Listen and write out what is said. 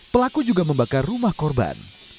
pelaku juga membakar rumah korban